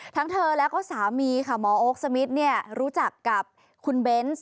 ทั้งเธอแล้วก็สามีค่ะหมอโอ๊คสมิทรู้จักกับคุณเบนส์